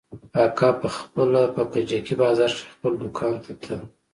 اکا پخپله په کجکي بازار کښې خپل دوکان ته ته.